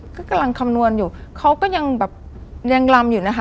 ก็กำลังคำนวณอยู่เขาก็ยังแบบยังลำอยู่นะคะ